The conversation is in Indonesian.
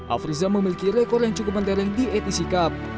afriza memiliki rekor yang cukup mentereng di atc cup